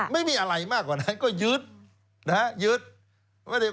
ไม่มีอะไรมากกว่านั้นก็ยึด